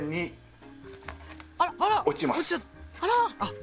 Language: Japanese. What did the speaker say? あら！